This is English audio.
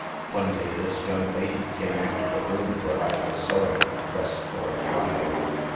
"* One day this young lady came into the room where I was sewing, dressed for a drive.